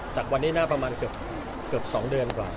จากวันนี้น่าประมาณเกือบ๒เดือนกว่า